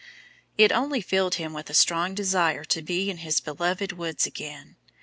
It only filled him with a strong desire to be in his beloved woods again.